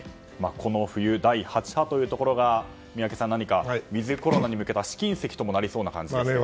この冬、第８波というところが宮家さん何かウィズコロナに向けた試金石となりそうな感じですね。